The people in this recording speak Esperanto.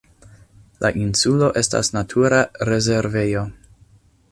La insulo estas natura rezervejo.